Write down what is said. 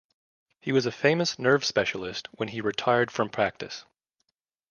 He was a famous nerve specialist when he retired from practice.